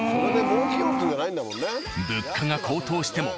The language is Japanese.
物価が高騰しても。